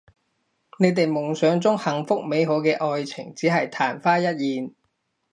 你哋夢想中幸福美好嘅愛情只係曇花一現